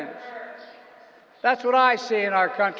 itu yang saya lihat di negara kita